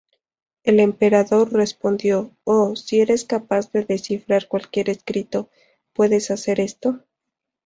El emperador respondió: "Oh, si eres capaz de descifrar cualquier escrito, ¿puedes hacer esto?